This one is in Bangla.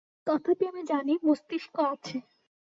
তথাপি আমি জানি, মস্তিষ্ক আছে।